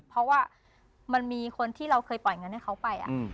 เพราะว่ามันมีคนที่เราเคยปล่อยเงินให้เขาไป